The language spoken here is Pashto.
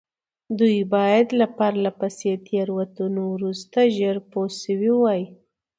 دوی باید له پرله پسې تېروتنو وروسته ژر پوه شوي وای.